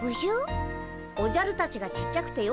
おじゃるたちがちっちゃくてよかったよ。